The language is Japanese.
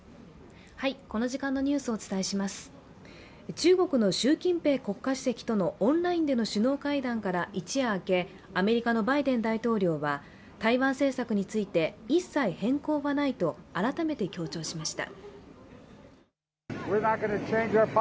中国の習近平国家主席とのオンラインでの首脳会談から一夜明け、アメリカのバイデン大統領は台湾制作について一切、変更はないと改めて強調しました。